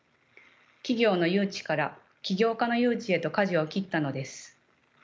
企業の誘致から起業家の誘致へとかじを切ったのです。